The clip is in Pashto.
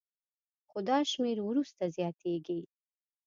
خو دا شمېر وروسته زیاتېږي